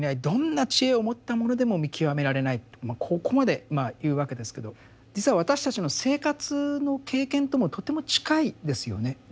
どんな知恵を持った者でも見極められない」とここまでまあ言うわけですけど実は私たちの生活の経験ともとても近いですよね。